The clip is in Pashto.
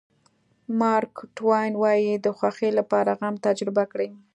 مارک ټواین وایي د خوښۍ لپاره غم تجربه کړئ.